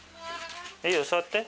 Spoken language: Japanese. いいよ座って。